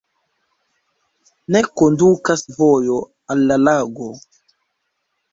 Ne kondukas vojo al la lago.